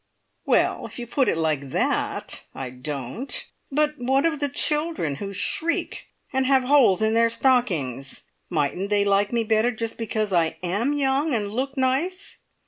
"Well, if you put it like that, I don't! But what of the children who shriek, and have holes in their stockings? Mightn't they like me better just because I am young and look nice?"